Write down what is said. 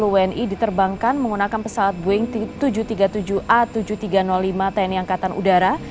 sepuluh wni diterbangkan menggunakan pesawat boeing tujuh ratus tiga puluh tujuh a tujuh ribu tiga ratus lima tni angkatan udara